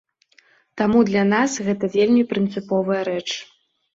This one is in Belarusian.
Таму для нас гэта вельмі прынцыповая рэч.